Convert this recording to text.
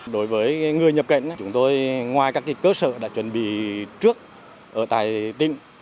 đối với người nhập cạnh chúng tôi ngoài các cơ sở đã chuẩn bị trước ở tài tinh